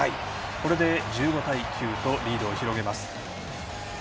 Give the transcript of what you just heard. これで１５対９とリードを広げます。